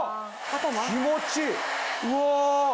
気持ちいい！